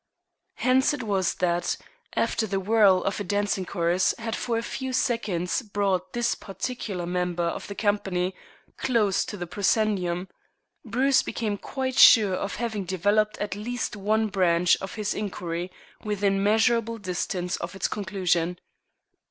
Hence it was that, after the whirl of a dancing chorus had for a few seconds brought this particular member of the company close to the proscenium, Bruce became quite sure of having developed at least one branch of his inquiry within measurable distance of its conclusion.